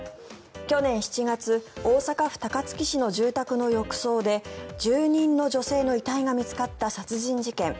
去年７月大阪府高槻市の住宅の浴槽で住人の女性の遺体が見つかった殺人事件。